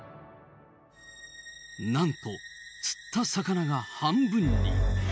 なんと釣った魚が半分に。